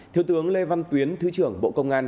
thưa tướng lê văn quyến thứ trưởng bộ công an